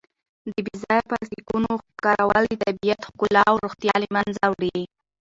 د بې ځایه پلاسټیکونو کارول د طبیعت ښکلا او روغتیا له منځه وړي.